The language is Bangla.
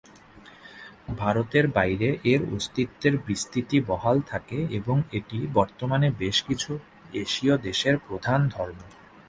ভারতের বাইরে এর অস্তিত্বের বিস্তৃতি বহাল থাকে এবং এটি বর্তমানে বেশ কিছু এশীয় দেশের প্রধান ধর্ম।